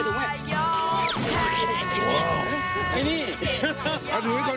ไอ้นี่เอาหนูก่อนเอาหนูด้วย